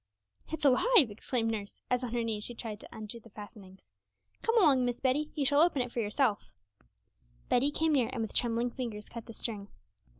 'It's alive!' exclaimed nurse, as on her knees she tried to undo the fastenings. 'Come along, Miss Betty, you shall open it for yourself.' Betty came near, and with trembling fingers cut the string.